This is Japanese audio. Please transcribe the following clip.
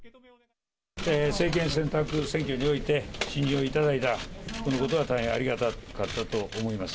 政権選択選挙において、信任を頂いた、そのことが大変ありがたかったと思います。